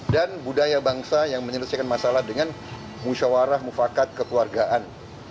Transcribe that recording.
budaya bangsa yang menyelesaikan masalah dengan musyawarah mufakat kekeluargaan